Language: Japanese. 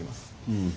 うん。